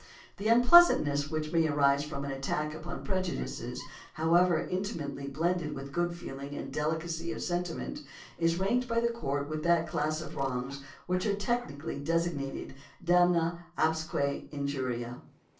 The unpleasantness which may arise from an attack upon prejudices, however intimately blended with good feeling and delicacy of sentiment, is ranked by the court with that class of wrongs which are technically designated damna absque injuria."